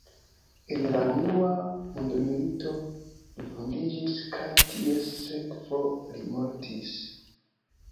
En la unua mondmilito li vundiĝis kaj ties sekvo li mortis.